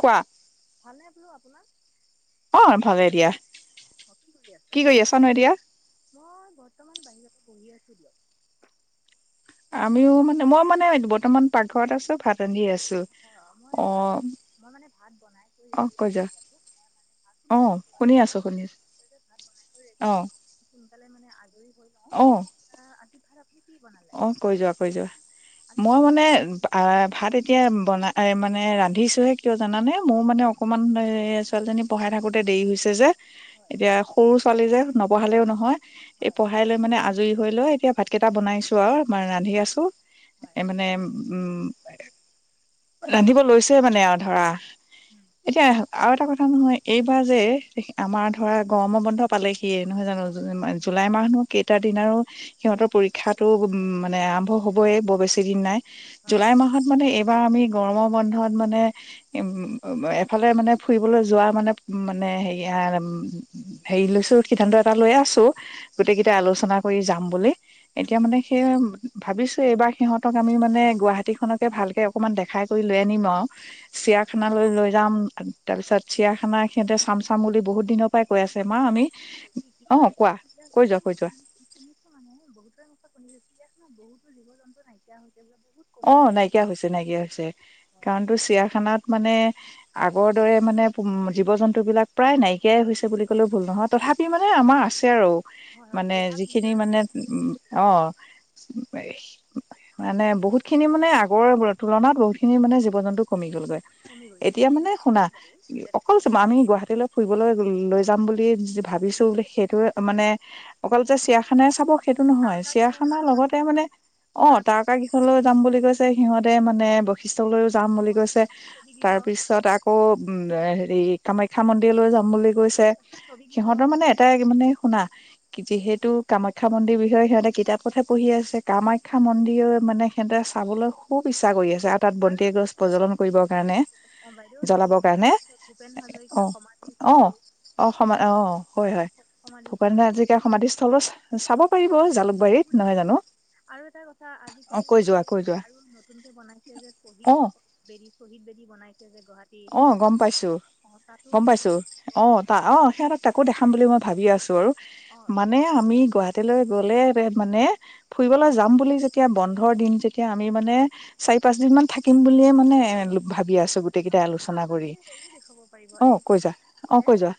কোৱা ভালে বোলো আপোনাৰ? অ ভালে দিয়া কি কৰি আছে? আছা নো এতিয়া মই বৰ্তমান বাহিৰত পঢ়ি আছোঁ দিয়ক। আমিও আপুনি মানে মই মানে বৰ্তমান পাকঘৰত আছো ভাত ৰান্ধি আছো। অ' মই ভাত মই মানে ভাত। বনাই কৰি অ ৰেডি কৈ যোৱা হ' লো এইমাত্ৰ। অ সোনকালে বনাও শুনি ল'ৰা-ছোৱালী আছো কেইটা অলপ সৰু শুনি হৈ আছো আছে যে ভাত বনাই কৰি অ সোনকালে আজৰি হৈ লও। অ আজি ভাত আপুনি কি বনালে অ কৈ যোৱা কৈ যোৱা আজি মই ভাত মানে ভাত এতিয়া বনা মানে ৰান্ধিছোঁহে কিয় জানানে মোৰো মানে অকণমান ছোৱালীজনী পঢ়াই থাকোঁতে দেৰি হৈছে যে হয় এতিয়া সৰু ছোৱালী যে নপঢ়ালেও নহয়। এই হয় পঢ়াই লৈ মানে আজৰি হৈ লয় এতিয়া ভাতকেইটা বনাইছো। চোৱা [unintelligible] মই ৰান্ধি আছোঁ, হয় এ মানে উম। ৰান্ধিব লৈছে মানে আৰু ধৰা। উম, এতিয়া আৰু এটা কথা। নহয় এইবাৰ যে, আমাৰ হয় ধৰা গৰমৰ বন্ধ পালেহিয়ে। নহয় জানো, জুলাই মাহনো আৰু কেইটা দিন আৰু দে- সিহঁতৰ পৰীক্ষা উম, মানে আৰম্ভ হ'বয়ে বৰ বেছি দিন নাই। হয় জুলাই মাহত মানে এইবাৰ আমি গৰমৰ বন্ধত মানে উম, এফালে মানে ফুৰিবলৈ যোৱা মানে, মানে হেৰি, আ-হেয়ি লৈছো সিদ্ধান্ত এটা লৈ আছোঁ। গোটেই কিটাই আলোচনা কয়ি যাম বুলি। এতিয়া উম, মানে সেইয় ভাবিছোঁ, এইবাৰ সিহঁতক আমি মানে গুৱাহাটীখনকে ভালকে অকণমান দেখাই কৰি লৈ আনিম আউ। অঁ চিৰিয়াখানা লৈ, লৈ যাম, তাৰ হয় পিছত চিৰিয়াখানা সিহঁতে চাম চাম বুলি বহুত দিনৰ পৰাই কৈ হয়, আছে হয়, মা হয়, আমি ‌হেৰি কি অ কোৱা কই কৈ যোৱা কৈ যোৱা [unintelligible] শুনিছোঁ মানে বহুতৰ মুখত এতিয়া চিৰিয়াখানাত বহুতো জীৱ জন্তু নাইকিয়া হৈছ অ', নাইকিয়া হৈছে, নাইকিয়া হৈছে হয় কাৰণটো চিৰিয়াখানাত মানে আগৰ দৰে মানে জীৱ জন্তু বিলাক প্ৰায় নাই নাইকীয়া হৈছে বুলি ক'লেও ভুল নহয়, হয় তথাপি গুহা মানে আমাৰ আছে আৰু, হয় হয় মানে গুহা যিখিনি পিঞ্জৰাৰ ভিতৰত মানে উম, অ' মানে বহুত খিনি মানে আগৰ তুলনাত বহুতখিনি মানে জীৱ জন্তু কমিল কমি গৈছে এতিয়া মানে শুনা, বাৰু নিজে দেখা অকল নাই বাৰু আমি গুৱাহাটীলৈ ফুৰিবলৈ বুলি লৈ যাম বুলি ভাবিছো বোলে সেই এই আৰু মানে অকল যে চিৰিয়াখানা ই চাব সেইটো নহয় তাৰকাগৃহ চিৰিখানাৰ তাৰকা লগতে মানে অ', তাৰকা গৃহলৈ যাম বুলি কৈছে সিহঁতে মানে লৈওঁ যাম বুলি কৈছে, ছবিগৃহ তাৰ পিছত আকৌ উ এই হেৰি কামাখ্যা মন্দিৰলৈ যাম বুলি কৈছে ছবিগৃহ সিহঁতৰ মানে এটাই মানে শুনা? যিহেতু কামাখ্যা মন্দিৰ বিষয়ে সিহঁতে কিতাপতহে পঢ়ি আছে কামাখ্যা মন্দিৰৰ মানে সিহঁতে চাবলৈ খুব ইচ্ছা কৰি আছে। তেওঁৰ তাত আৰু বন্তি এগছ প্ৰজ্বলন কৰিবৰ কাৰণে বাইদেউ হেৰি জ্বলাবৰ কাৰণে ভূপেন হাজৰিকা অ', সমাধিস্থল অ', অ', অ', হয়, হয় ভূপেন সমাধিস্থল হয় হাজৰিকা সমাধিস্থলো চাব পাৰিব জালুকবাৰীত সেইবোৰ নহয় জানো? কৈ যোৱা স কৈ যোৱা আৰু নতুনকে বনাইছ যে শ্বহীদ অ সক বে শ্বহীদ বেদী বনাই অ', গম পাইছো, তাতো গম পাইছো, দেখুৱাব অ', আপোনাক অ', সিহঁতক তাকো দেখাম বুলি মই ভাবি আছো। আছো আৰু অঁ মানে আমি গুৱাহাট তেতিয়ালৈ গ'লে মানে ফুৰিবলৈ হয় যাম বুলি যেত এতিয়া বন্ধৰ দিন যেতিয়া আমি মানে চাৰি পাঁচ দিন মান থাকিম বুলিয়ে মানে ভাবি আছো। গোটেই কেইটাই নচোন আলোচনা কৰি আপোনালোকে হেৰিও দেখুৱাব পাৰিব অ এই কৈ যোৱা অ যে কৈ যোৱা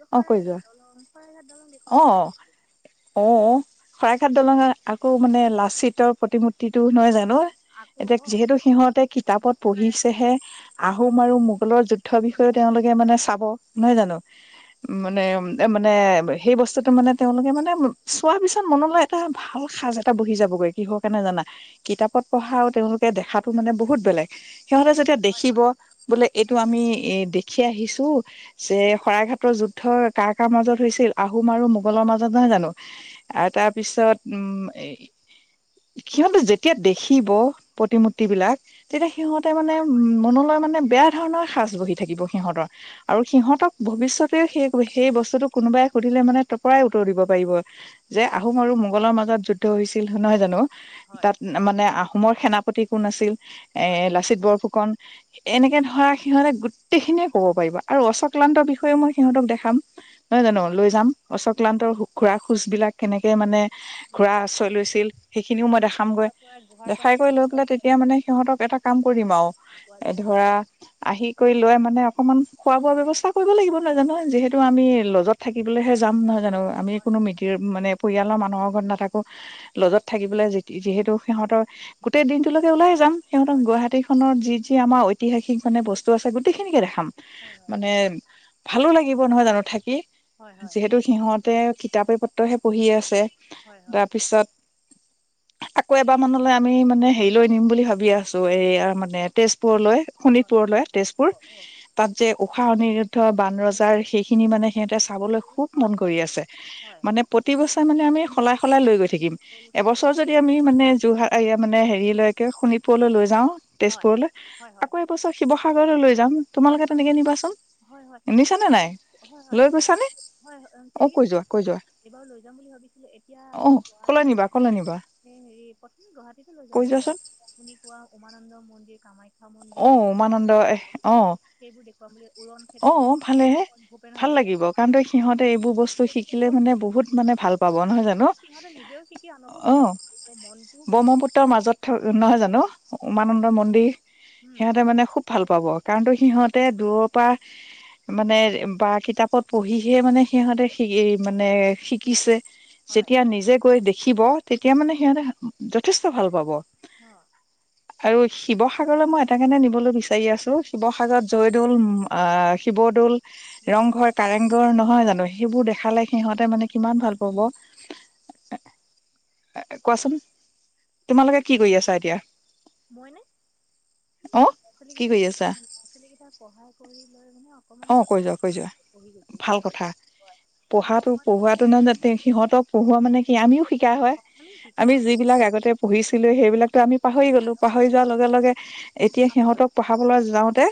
য অ কৈ শৰাইঘাট যোৱা দলং শৰাইঘাট দলং অ দেখুৱাব অ পাৰি থ অ শৰাইঘাট দলঙৰ আকৌ মানে লাচিতৰ প্ৰতিমূৰ্তিটোও নহয় জানো। আকৌ ন' এতিয়া অঁ যিহেতু সিহঁতে কিতাপত বিচলাৰে পঢ়িছেহে। আহোম আৰু মোগলৰ যুদ্ধ বি বিষয়ে তেওঁলোকে মানে চাব, নহয় জানো, মানে মানে সেই বস্তুতটো মানে তেওঁলোকে মানে চোৱা পিছত মনলৈ এটা ভাল সাজ এটা বহি যাবগৈ কিহৰ কাৰণে জানা কিতাপত পঢ়াও তেওঁলোকে দেখাটো মানে বহুত বেলেগ সিহঁতে যদি হয় শিৱ হয় বোলে এইটো আমি এ দেখি আহিছো যে শৰাইঘাটৰ যুদ্ধ কাৰ কাৰ মাজত হৈছিল আহোম আৰু মোগলৰ মাজত নহয় জানো আৰু তাৰ পিছত উম, সিহঁতো যেতিয়া দেখিব প্ৰতিমূৰ্ত বিলাক তেতিয়া সিহঁতে মানে হয় হয় মনলৈ মানে বেয়া ধৰণৰ সাঁচ বহি থাকিব সিহঁতৰ। আৰু সিহঁতক ভৱিষ্যতেও সেই সেই বস্তুটো কোনোবাই সুধিলে মানে ত পৰাই উত্তৰ দিব পাৰিব যে আহোম আৰু মোগলৰ মাজত যুদ্ধ হৈছিল নহয় জানো। হয় তাত মানে আহো মোৰ সেনাপতি কোন আছিল? এ হয় হয় লাচিত বৰফুকন। এনেকে ধৰা সিহঁতে গোটেইখিনিয়ে ক'ব পাৰিব আৰু অচক্লান্তৰ বিষয়েও মই সিহঁতক দেখাম। নহয় জানো লৈ যাম হয় অচক্লান্তৰ হয় ঘোঁৰা খোজ বিলাক কেনেকে মানে ঘোৰা বুজি- আশ্ৰয় আৰু লৈছিল সেইখিনিও মই দেখামগৈ গুহাৰ পৰা গুহাৰ পৰা দেখাই গৈ দেখাই গহনা লৈ পেলাই তেতিয়া মানে সিহঁতক এটা কাম কৰিম আৰু পোৱা এ যায় ধৰা আহি কৰি লৈ মানে অকমান খোৱা-বোৱা ব্যৱস্থা কৰিব লাগিব নহয় জানো হয় যিহেতু আমি লজত থাকিবলৈহে যাম নহয় জানো আমি কোনো মিতিৰ মানে পৰিয়াল মা ন' আগত নাকে হয় লজত থাকিবলৈ যি যিহেতু সিহঁতৰ গোটেই দিনটোলৈকে ওলাই যাম। সিহঁতক হয় গুৱাহাটী খনৰ যি যি আম ঐতিহাসিক মানে বস্তু আছে গোটেইখিনিকে দেখা হয় হয় মানে ভালো লাগিব নহয় জানো থাকি। হয় যিহেতু সিহঁত তেওঁ কিতাপে পত্ৰহে পঢ়ি আছে। হয় হয় হয় তাৰপিছত আকৌ এবাৰ, মানলৈ আমি মানে হেৰি লৈ নিম বুলি ভাবি আছো, এইয়ে মানে টেষ্ট ৰ, শোণিতপুৰলৈ তেজপুৰ, তাত যে খাওঁ নি ধ বান ৰজাৰ, সেইখিনি হয় শিৱ- মান ওপৰলৈ লৈ যাওঁ। হয় তেজপুৰলৈ হয় হয় আকৌ, এবছৰ শিৱ সাগৰলৈ লৈ যাম হয়, তোমালোকে তেনেকে নিবাচোন হয়, হয়, নিছানে নাই হয়, লৈ গৈছানে হয় হয়নেকে অ কৈ যোৱা কৈ যোৱা এইবাৰ লৈ যাম বুলি ভাবিছিলো, এতিয়া অ আপোনাৰ কলৈ নিবা কলৈ নিবা গুৱাহাটীহে প্ৰথম গুৱাহাটীত লৈ যাম কৈ বুলি যোৱাচোন ভাবিছিলো, আপুনি কোৱা উমানন্দ মন্দিৰ কামাখ্যা [unintelligible] মন্দিৰ অ নিলাচল উমানন্দ পা অ', ভালেহে ভূপেন ভাল হাজৰিকাৰ লাগিব কাৰণ সমাধি তই স্থল সিহঁতে, এইবোৰ বস্তু সেইবোৰ শিকিলে দেখুৱাম বুলি মানে, বহুত মানে ভাল পাব নহয় জানো? সিহঁতে নিজেও শিকি আনকো শিকাব অ', পাৰিব মনটোও বহুত ব্ৰহ্মপুত্ৰৰ মাজত থ নহয় জানো হয় উমানন্দ মন্দিৰ। উম সিহঁতে মানে, খুব ভাল পাব। হ'ব, কাৰণ তো সিহঁতে দূৰৰ পৰা মানে, বা কিতাপত পঢ়িহে মানে সিহঁতে, শ মানে শিকিছে। হয় যেতিয়া নিজে গৈ দেখি শিৱ, তেতিয়া মানে সিহঁতে যথেষ্ট ভাল পাব। অ'। আৰু শিৱ সাগৰলৈ, মই এটা কেৰনে নিবলৈ বিচাৰি আছো টো, ৰংঘৰ শিৱসাগৰত জয়দৌল, আ, কাৰেংঘৰ শিৱদ'ল, জয়দৌল ৰংঘৰ, কাৰেংঘৰ নহয় জানো, সেইবোৰ দেখালে সিহঁতে মানে কিমান ভাল পাব, এ কোৱাচোন, তোমালোকে কি কৰি আছা এতিয়া? মইনে উ অ ল'ৰা-ছোৱালী কি কেইটা কৰি আছা পঢ় ল'ৰা-ছোৱালী কেইটাাক পঢ়াই কৰি লৈ মানে অকণমান অ', গছ কৈ যোৱা, কৈ যোৱা, পঢ়ি গৈছোঁ মানে ভাল কথা মানে পঢ়াতো, মই মানে পঢ়োৱাাতো ভাবিছোঁ ন' যাতে সিহঁতক পঢ়োৱা মানে কি আমিও শিকা হয়, শিকা আমি যি হয় বিলাক আগতে পঢ়িছিলো, সেইবিলাকো আমি পাহৰি গ'লো, আনকো পাহৰি বুজাই যোৱাৰ লগে, লগে এতিয়া সিহঁতক, আকৌ পঢ়াবলৈ যাওঁতে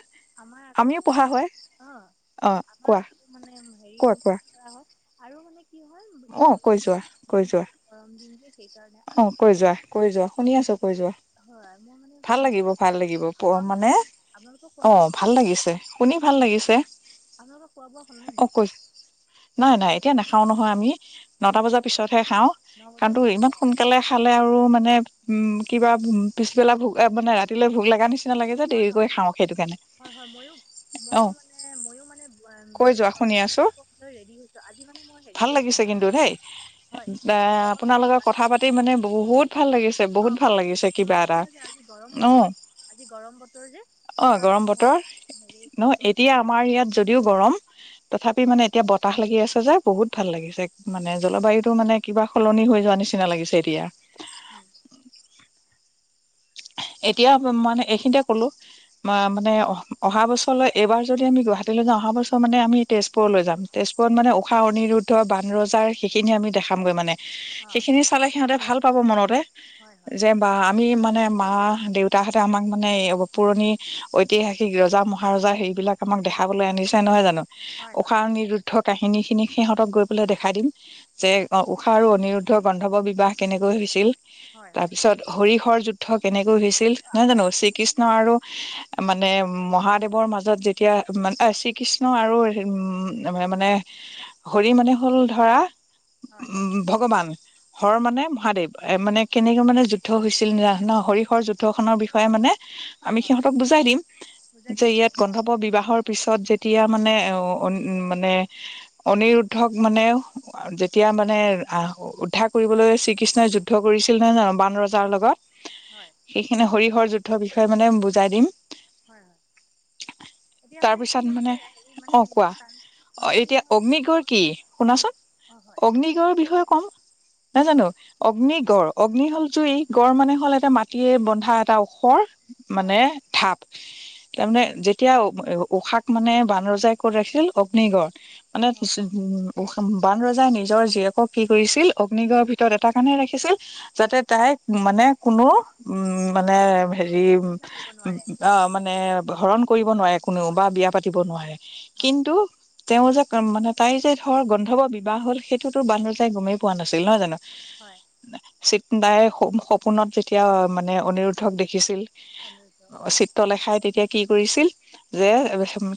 আমিও পঢ়া হয়। অ', অ কোৱা আমাৰ মানে হেৰি কোৱা ৰু কোৱা কৰা হয় আৰু মানে কি হয় এই অ, গৰম কৈ যোৱা, কৈ দিন যোৱা গৰম দিন যে সেইকাৰণে অ, আৰু কৈ যোৱা, কৈ যোৱা, শুনি আছো, কৈ যোৱা হয় মই মানে ভাল লাগিব, ভাল লাগিব, প খোৱা বোৱা মানে হ'ল নাই আপোনালোকৰ খোৱা অ, বোৱা হ'ল নে ভাল নাই লাগিছে, শুনি ভাল লাগিছে। আপোনালোকৰ খোৱা বোৱা হ'লনে নাই অ কৈ নাই নাই এতিয়া নেখাওঁ আমি নটা হয় বজাৰ পিছতহে খাওঁ ন কাৰণ বজাৰ তো ভিতৰত ইমান সোনকালে খালে আৰু মানে মানে উম কিবা পিছবেলা ভোক মানে ৰাতিলৈ ভোক লগা নিচি হয় হয় ম ম অ মান কৈ যোৱা শুনি আছো ম ভাল মান লাগিছে কিন্তু দেই যে আপোনালোকৰ আজি কথা পাতি মানে বহুত ভাল লাগিছে বহুত অঁ ভাল লাগিছে কিবা মানে কি হৈছে আজি গৰম বতৰ আজি গৰম বতৰ যে সেইকাৰণে মই হেৰি কি কয় এটা যদিও গৰম তথাপি মানে এতিয়া বতাহ লাগি আছে যে বহুত ভাল লাগিছে মানে জলবায়ুটো মানে কিবা সলনি হৈ যোৱা নিচিনা লাগিছে এতিয়া অ [unintelligible] চ [unintelligible] এতিয়া মানে এইখিনিতে ক'লো মানে অহা বছৰলৈ এইবাৰ যদি আমি গুৱাহাটীলৈ যাওঁ অহা বছৰ মানে আমি তেজপুৰলৈ যাম। তেজপুৰ তেজপুৰত অঁ মানে উষা-অনিৰুদ্ধ বানৰজা তাৰ সেইখিনি আমি দেখামগৈ মানে অঁ সেইখিনি চালে সিহঁতে ভাল পাব মনতে হয় হয় যে বা আমি মানে মা-দেউতাহঁতে আমাক মানে এই পুৰণি ঐতিহাসিক ৰজা মহাৰজা সেইবিলাক আমাক দেখাবলৈ আনিছে নহয় জানো হয় হয় উষা-অনিৰুদ্ধত কাহিনীখিনি সিহঁতক গৈ পেলাই দেখাই দিম যে ঊষা আৰু অনিৰুদ্ধ গন্ধৱৰ বিবাহ কেনেকৈ হৈছিল হয় তাৰ হয় পিছত হৰিহৰ যুদ্ধ কেনেকৈ খুব হৈছিল ভাল নহয় জানো আপোনালোকে খুব মানে শ্ৰীকৃষ্ণ আৰু মানে মহাদেৱৰ মাজত যেতিয়া শ্ৰীকৃষ্ণ আৰু উ মানে হৰি মানে হ'ল ধৰা হয় উম ভগৱান হৰ মানে মহাদেৱ এ মানে কেনেকে মানে যুদ্ধ হৈছিল ন ন হৰিহৰ যুদ্ধখনৰ বিষয়ে মানে আমি হয় সিহঁতক বুজাই দিম বুজাই যে দিব ইয়াত পাৰিম হয় গন্ধৱ বিবাহৰ পিছত যেতিয়া মানে মানে অনিৰুদ্ধক মানে যেতিয়া মানে আহ উদ্ধাৰ কৰিবলৈ শ্ৰীকৃষ্ণই যুদ্ধ কৰিছিল নহয় জানো বান ৰজাৰ লগত হয় সেইখিনি হৰিহৰ যুদ্ধৰ বিষয়ে মানে বুজাই দিম হয় হয় এতিয়া মানে কি তাৰপিছত হৈছে মানে হেৰি মানে অ কোৱা তাৰ- অ মানে কি এতিয়া হয় অগ্নিগড় গৰম কি অঁ শুনাচোন অঁ হয় অগ্নিগড়ৰ বিষয়ে কম নাজানো অগ্নি-গড় অগ্নি হ'ল জুই, গড় মানে অকল এটা মাটিৰে বন্ধা এটা ওখৰ হয় মানে ধাপ। তাৰমানে যেতিয়া উশাক মানে বানৰজাই ক'ত ৰাখিল অগ্নিগড়ত। মানে হয় পিছ হ বান ৰজাই নিজৰ জীয়েকক কি কৰিছিল অগ্নিগড়ৰ ভিতৰত এটা কাৰণে ৰাখিছিল যাতে তাইক মানে কোনো উম, মানে অ, হেৰি অসুবিধা কৰিব নোৱাৰে মানে হৰণ কৰিব নোৱাৰে কোনেও বা বিয়া পাতিব নোৱাৰে হয় কিন্তু তেওঁ যে মানে তাইৰ যে ধৰ গন্ধৰ্ব বিবাহ হ'ল সেইটোতো বান্ধোজাই গমেই পোৱা নাছিল নহয় জানো। হয় নে চি নাই স সু সপোনত যেতিয়া মানে অনিৰুদ্ধক দেখিছিল। অনিৰুদ্ধ অ', অঁ চিত্ৰলেখাই তেতিয়া কি কৰিছিল যে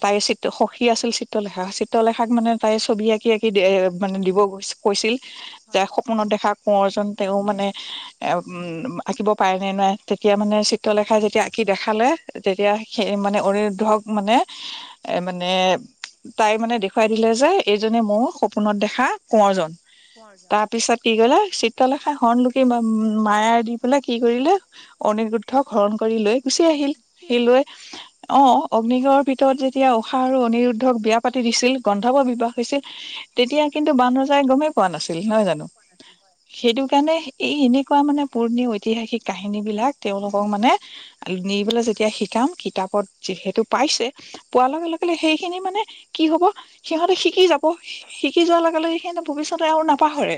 তাইৰ চিত্ৰ সখী আছিল চিত্ৰলেখা চিত্ৰলেখাক মানে তাই ছবি আঁকি আঁকি মানে দিব কৈছিল। যে হয় সপোনত দেখা কোঁৱৰজন তেওঁ মানে আঁকিব পাৰেনে নাই তেতিয়া মানে চিত্ৰলেখাই যেতিয়া আঁকি দেখালে তেতিয়া হয় সেই মানে অ'ৰে ধৰক মানে এ মানে তাই মানে দেখুৱাই দিলে যে এইজনে মোৰ সপোনত দেখা কোঁৱৰজন কোঁৱৰজন তাৰপিছত কি কৰিলে চি খাই হলকে বা উম মায়াৰ দি পেলাই কি কৰিলে অণিৰুদ্ধ হৰণ কৰি লৈ গুচি আহিল ঠিক সে আছে লৈ অ'। অগ্নিগড়ৰ ভিতৰত যেতিয়া উষা আৰু অনিৰুদ্ধক বিয়া পাতি দিছিল গন্ধৰ্ৱ বিবাহ হৈছিল তেতিয়া কিন্তু বান ৰজাই গমেই পোৱা নাছিল। নহয় জানো সেইটো কাৰণে এই এনে তেনেকুৱা মানে পুৰণি ঐতিহাসিক কাহিনী বিলাক তেওঁলোকক মানে নি পেল যেতিয়া শিকাম কিতাপত যিহেতু পাইছে পোৱাৰ হয় লগে, লগে, লগে সেইখিনি মানে কি হ'ব সিহঁতে শিকি যাব শিকি যোৱাৰ লগে লগে সে ভৱিষ্যতে আৰু নাপাহৰে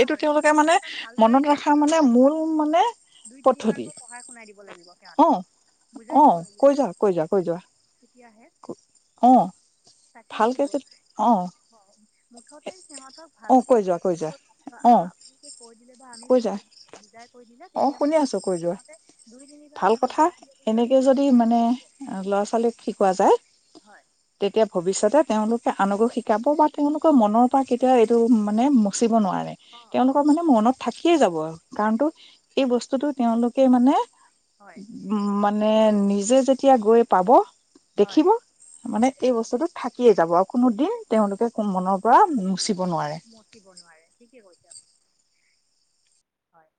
এইটো তেওঁলোকে কিন্তু মানে পিছত ভালদৰে মনত ৰাখ ৰিপিট কৰাব মানে লাগিব মূল মানে দুই পদ্ধতি তিনিবাৰকৈ পঢ়াই শুনাই দিব লাগিব সিহঁতক অ', বুজাই অহ, দিব লাগিব কৈ যোৱা, কৈ যোৱা কৈ যোৱা তেতিয়াহে অ'। তাকেই ভালকে বোলো যে অ মুঠতে সিহঁতক অ ভালকে কৈ যোৱা কৈ যোৱা অ আপোনোকে কৈ দিলে বা আমি কৈ কৈ বুজাই কৈ দিলে অ', তেতিয়া শুনি মানে আছোঁ কৈ যোৱা সিহঁতে দুই তিনিবাৰ ভাল সিহঁতক কথা বুজাই দিয়াৰ পিছত এনেকে যদি মানে ল'ৰা'ছোৱালীক শিকোৱা যায় হয় তে ভৱিষ্যতে তেওঁলোকে আনকো শিকাব বা তেওঁলোকৰ মনৰ পৰা কেতিয়াও এইটো মানে চিব নোৱাৰে অঁ অঁ তেওঁলোকৰ মানে মনত থাক সিয়েই যাব আৰু তাকে কাৰণটো এই বস্তুটো তেওঁলোকে মানে হয় উম, মানে মানে নিজে যেতিয়া গৈ পাব হয় দেখিব মানে এই বস্তুতটো থাকিয়ে যাব আৰু কোনো দিন তেওঁলোকে মনৰ পৰা মুচিব নোৱাৰে মতিব নোৱাৰে ঠিকে কৈছে আপুনি। হয়।